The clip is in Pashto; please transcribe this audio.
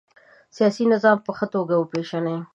سیاسي نظام په ښه توګه وپيژنئ.